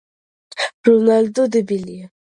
რონალდო დებილია